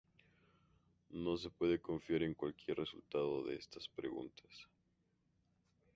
No se puede confiar en cualquier resultado de estas preguntas.